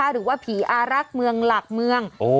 หรือว่าผีอารักษ์เมืองหลักเมือง